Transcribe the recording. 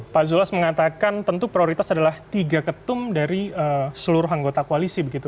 pak zulas mengatakan tentu prioritas adalah tiga ketum dari seluruh anggota koalisi begitu